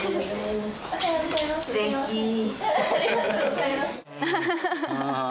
ありがとうございます。